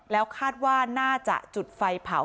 แล้วคาดว่าน่าจะจุดไฟเผา